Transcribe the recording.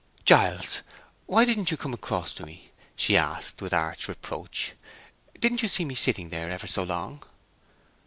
"Giles, why didn't you come across to me?" she asked, with arch reproach. "Didn't you see me sitting there ever so long?"